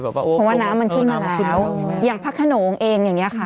เพราะว่าน้ำมันขึ้นมาแล้วอย่างพระขนงเองอย่างนี้ค่ะ